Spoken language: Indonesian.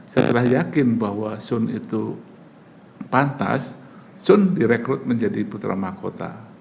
setelah yakin bahwa sun itu pantas sun direkrut menjadi putra mahkota